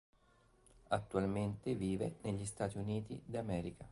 Attualmente vive negli Stati Uniti d'America.